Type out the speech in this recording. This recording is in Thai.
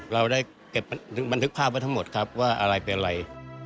เราได้เก็บบันทึกภาพไว้ทั้งหมดครับว่าอะไรเป็นอะไร